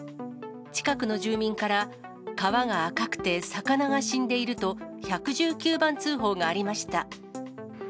近くの住民から、川が赤くて魚が死んでいると、１１９番通報がありました。